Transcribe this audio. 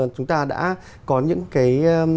chúng ta đã có những cái